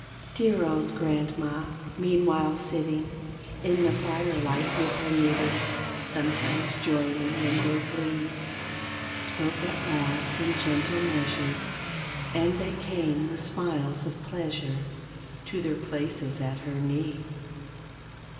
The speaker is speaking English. Dear old Grandma, meanwhile sitting In the firelight with her knitting. Sometimes joining in their glee. Spoke at last in gentle measure And they came with smiles of pleasure To their places at her knee.